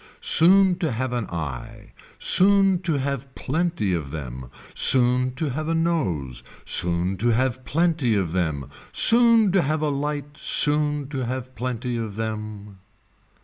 Soon to have an eye, soon to have plenty of them, soon to have a nose, soon to have plenty of them, soon to have a light soon to have plenty of them.